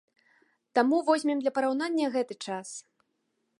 Таму возьмем для параўнання гэты час.